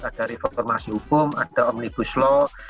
ada reformasi hukum ada omnibus law